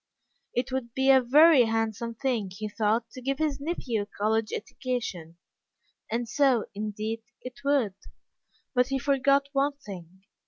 It would be a very handsome thing, he thought, to give his nephew a college education. And so, indeed, it would. But he forgot one thing.